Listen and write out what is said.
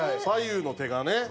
左右の手がね。